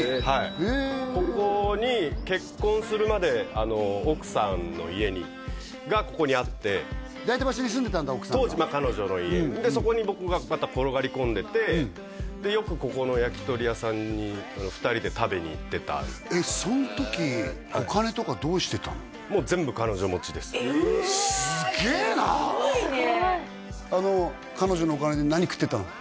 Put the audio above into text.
へえここに結婚するまで奥さんの家がここにあって代田橋に住んでたんだ奥さんが当時彼女の家でそこに僕がまた転がり込んでてよくここの焼き鳥屋さんに２人で食べに行ってたその時ええすげえなすごいね彼女のお金で何食ってたの？